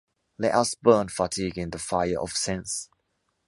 Let us burn fatigue in the fire of sense